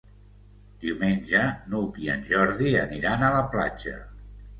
Diumenge n'Hug i en Jordi aniran a la platja.